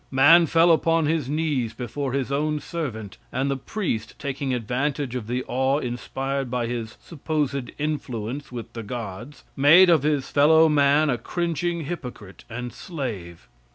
Man fell upon his knees before his own servant, and the priest, taking advantage of the awe inspired by his supposed influence with the gods, made of his fellow man a cringing hypocrite and slave.